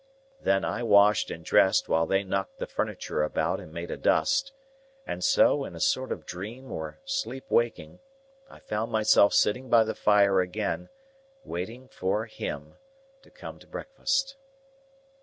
Then I washed and dressed while they knocked the furniture about and made a dust; and so, in a sort of dream or sleep waking, I found myself sitting by the fire again, waiting for—Him—to come to breakfast.